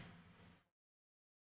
mas mas udah nyolot duluan